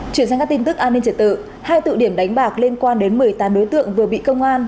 chuyển sang các tin tức an ninh trật tự hai tụ điểm đánh bạc liên quan đến một mươi tám đối tượng vừa bị công an